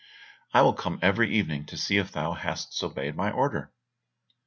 I will come every evening to see if thou hast obeyed my order."